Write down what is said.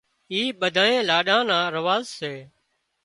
اِي ٻڌائي لاڏا نا رواز سي